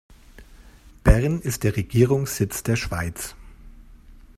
Bern ist der Regierungssitz der Schweiz.